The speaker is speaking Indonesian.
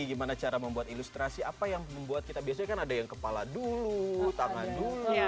gimana cara membuat ilustrasi apa yang membuat kita biasanya kan ada yang kepala dulu tangan dulu